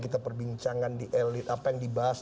kita perbincangkan di elit apa yang dibahas